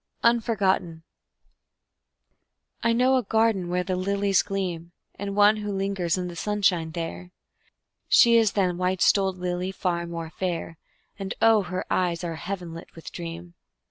Unforgotten I know a garden where the lilies gleam, And one who lingers in the sunshine there; She is than white stoled lily far more fair, And oh, her eyes are heaven lit with dream!